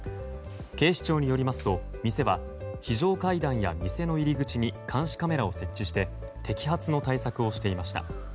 警視庁によりますと店は非常階段や店の入り口に監視カメラを設置して摘発の対策をしていました。